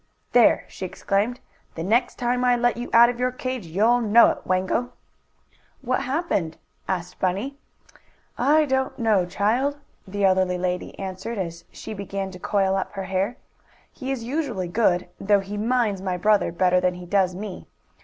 "There!" she exclaimed, "the next time I let you out of your cage you'll know it, Wango!" "What happened?" asked Bunny. "I don't know, child," the elderly lady answered, as she began to coil up her hair. "He is usually good, though he minds my brother better than he does me.